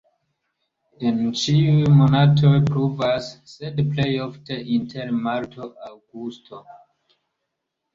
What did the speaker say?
En ĉiuj monatoj pluvas, sed plej ofte inter marto-aŭgusto.